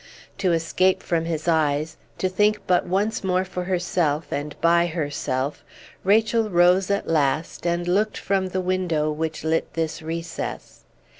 To escape from his eyes, to think but once more for herself, and by herself, Rachel rose at last, and looked from the window which lit this recess.